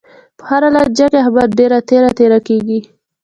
په هره لانجه کې، احمد ډېر تېره تېره کېږي.